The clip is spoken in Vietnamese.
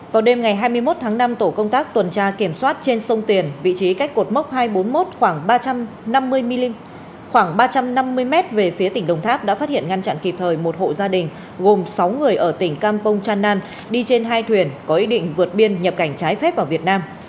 vào đêm ngày hai mươi một tháng năm tổ công tác tuần tra kiểm soát trên sông tiền vị trí cách cột mốc hai trăm bốn mươi một khoảng ba trăm năm mươi m về phía tỉnh đồng tháp đã phát hiện ngăn chặn kịp thời một hộ gia đình gồm sáu người ở tỉnh kampong chan nan đi trên hai thuyền có ý định vượt biên nhập cảnh trái phép vào việt nam